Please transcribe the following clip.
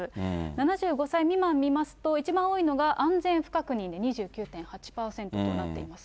７５歳未満見ますと、一番多いのが安全不確認で２９．８％となっています。